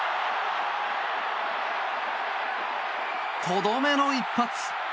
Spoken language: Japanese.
とどめの一発！